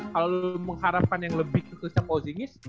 kalau lu mengharapkan yang lebih ke clista pozingis